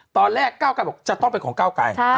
ตอนแรกก้าวไกรบอกจะต้องเป็นของก้าวไกร